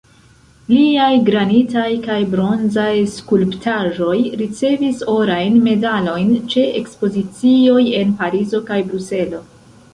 Liaj granitaj kaj bronzaj skulptaĵoj ricevis orajn medalojn ĉe ekspozicioj en Parizo kaj Bruselo.